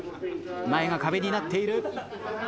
前が壁になっている。